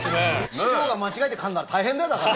市長が間違えてかんだら大変だよだから。